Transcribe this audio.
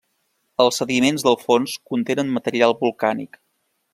Els sediments del fons contenen material volcànic.